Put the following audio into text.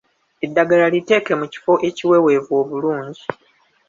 Eddagala liteeke mu kifo ekiweweevu obulungi.